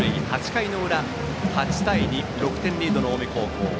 ８回の裏、８対２と６点リードの近江高校